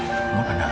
aku mau balik aja